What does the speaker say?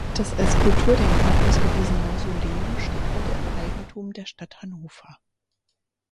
Das als Kulturdenkmal ausgewiesene Mausoleum steht heute im Eigentum der Stadt Hannover.